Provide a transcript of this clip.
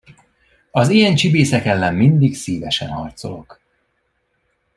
Az ilyen csibészek ellen mindig szívesen harcolok.